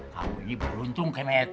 kamu ini beruntung kemet